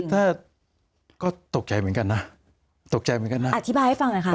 คือถ้าก็ตกใจเหมือนกันนะอธิบายให้ฟังนะครับ